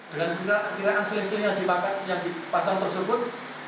dengan kira kiraan seleksi yang dipasang tersebut